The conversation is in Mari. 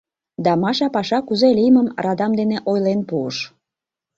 — Да Маша паша кузе лиймым радам дене ойлен пуыш.